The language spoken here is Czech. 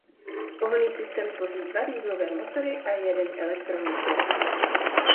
Pohonný systém tvoří dva dieselové motory a jeden elektromotor.